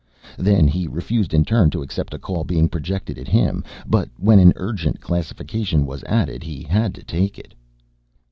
Then he refused in turn to accept a call being projected at him, but when an Urgent classification was added he had to take it.